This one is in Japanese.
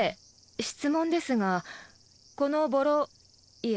質問ですがこのボロいえ